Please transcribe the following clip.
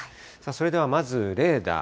それではまずレーダー。